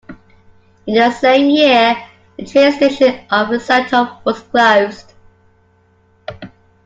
In the same year, the train station of Rezzato was closed.